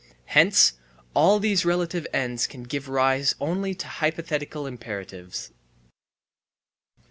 Hence all these relative ends can give rise only to hypothetical imperatives.